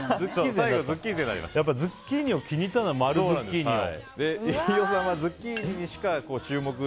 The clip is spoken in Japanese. ズッキーニを気に入ったんだ、丸ズッキーニを。